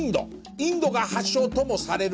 インドが発祥ともされる